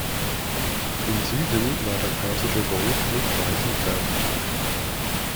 Im Süden war der Persische Golf nicht weit entfernt.